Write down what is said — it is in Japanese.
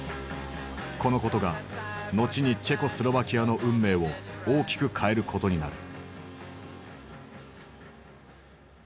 このことが後にチェコスロバキアの運命を大きく変えることになる。